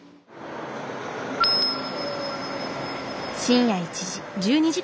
深夜１時。